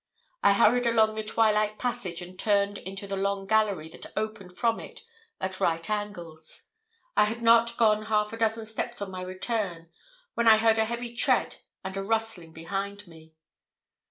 I hurried along the twilight passage, and turned into the long gallery that opened from it at right angles. I had not gone half a dozen steps on my return when I heard a heavy tread and a rustling behind me.